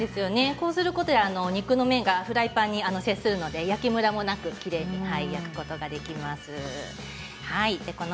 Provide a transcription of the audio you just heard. こうすることで肉の面がフライパンに接するので焼きムラもなく焼くことができます。